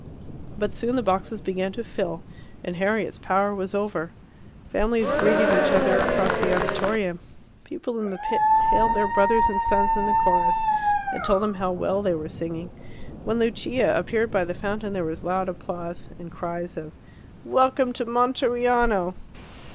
But soon the boxes began to fill, and Harriet's power was over. Families greeted each other across the auditorium. People in the pit hailed their brothers and sons in the chorus, and told them how well they were singing. When Lucia appeared by the fountain there was loud applause, and cries of "Welcome to Monteriano!"